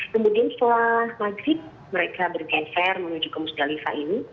kemudian setelah maghrib mereka bergeser menuju ke musdalifah ini